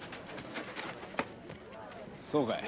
そうかい。